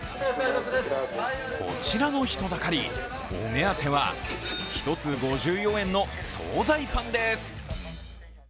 こちらの人だかり、お目当ては１つ５４円の総菜パンです。